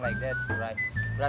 mengendali orang lain